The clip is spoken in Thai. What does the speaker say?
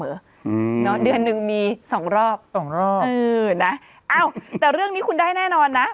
อืมเนอะเดือนหนึ่งมีสองรอบสองรอบเออนะอ้าวแต่เรื่องนี้คุณได้แน่นอนนะ